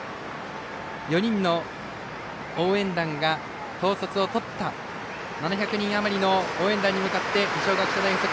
４人の応援団が統率を取った７００人余りの応援団に向けて二松学舎大付属